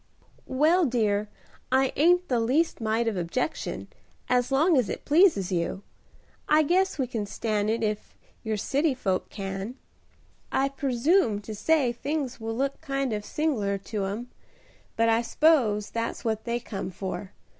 "Well, dear, I ain't the least mite of objection, as long as it pleases you. I guess we can stan' it ef your city folks can. I presume to say things will look kind of sing'lar to 'em, but I s'pose that's what they come for.